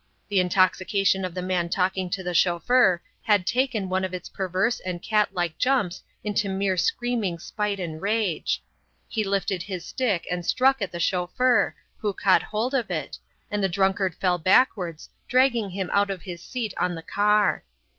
The intoxication of the man talking to the chauffeur had taken one of its perverse and catlike jumps into mere screaming spite and rage. He lifted his stick and struck at the chauffeur, who caught hold of it, and the drunkard fell backwards, dragging him out of his seat on the car.